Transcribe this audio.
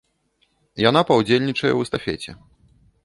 Яна паўдзельнічае ў эстафеце.